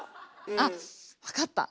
あっ分かった。